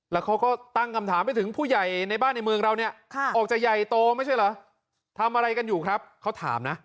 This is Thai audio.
แล้วเขาก็ตั้งคำถามไปถึงผู้ใหญ่ในบ้านในเมืองเราเนี่ยออกจะใหญ่โตไม่ใช่เหรอทำอะไรกันอยู่ครับเขาถามนะ